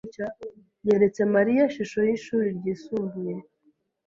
yeretse Mariya ishusho yishuri ryisumbuye.